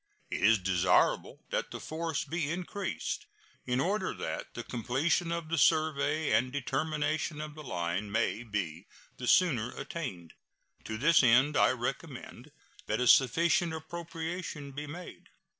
It is desirable that the force be increased, in order that the completion of the survey and determination of the line may be the sooner attained. To this end I recommend that a sufficient appropriation be made.